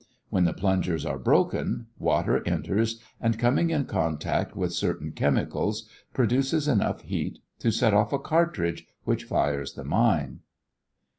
When the plungers are broken, water enters and, coming in contact with certain chemicals, produces enough heat to set off a cartridge which fires the mine.